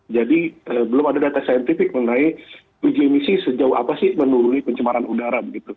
jadi belum ada data saintifik mengenai uji emisi sejauh apa sih menuruni pencemaran udara